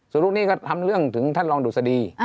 ส่วนลูกนี้ก็ทำเรื่องถึงท่านรองดุษฎี